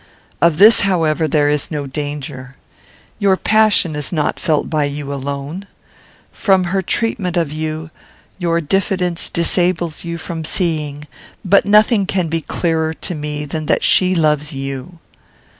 "Of this, however, there is no danger. Your passion is not felt by you alone. From her treatment of you, your diffidence disables you from seeing, but nothing can be clearer to me than that she loves you."